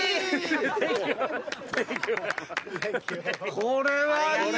これはいいな。